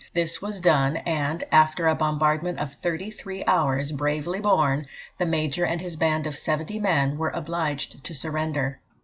This was done, and, after a bombardment of thirty three hours, bravely borne, the Major and his band of seventy men were obliged to surrender.